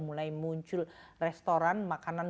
mulai muncul restoran makanan